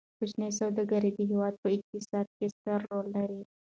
کوچني سوداګر د هیواد په اقتصاد کې ستر رول لري.